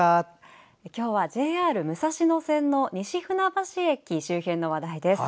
今日はＪＲ武蔵野線の西船橋駅周辺の話題です。